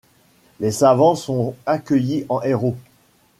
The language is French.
Les savants sont accueillis en héros.